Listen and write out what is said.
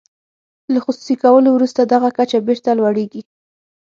له خصوصي کولو وروسته دغه کچه بیرته لوړیږي.